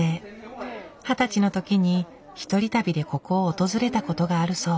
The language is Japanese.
二十歳のときに一人旅でここを訪れたことがあるそう。